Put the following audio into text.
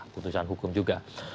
putusan hukum juga